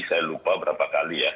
saya lupa berapa kali ya